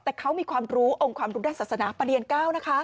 แต่เขามีความรู้องค์ความรู้ด้านศาสนาประเรียน๙นะคะ